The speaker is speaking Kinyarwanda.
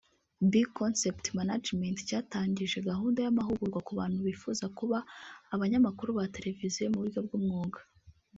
Big Concept Management cyatangije gahunda y’amahugurwa ku bantu bifuza kuba abanyamakuru ba Televiziyo mu buryo bw’umwuga